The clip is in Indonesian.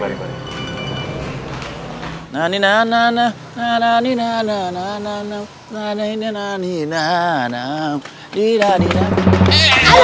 aduh aduh aduh aduh